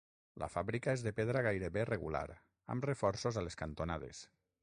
La fàbrica és de pedra gairebé regular, amb reforços a les cantonades.